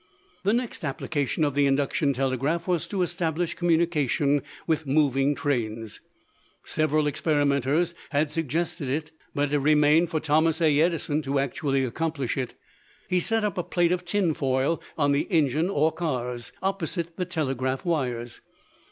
The next application of the induction telegraph was to establish communication with moving trains. Several experimenters had suggested it, but it remained for Thomas A. Edison to actually accomplish it. He set up a plate of tin foil on the engine or cars, opposite the telegraph wires.